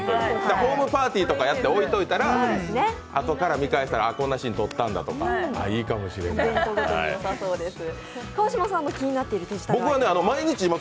ホームパーティーとかやって置いといたら、あとから見返したらこんなシーン撮ったんだとか、いいかもしれない川島さんの気になっているデジタルアイテムは？